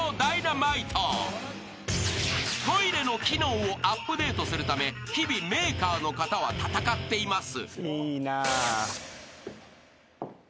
［トイレの機能をアップデートするため日々メーカーの方は闘っています］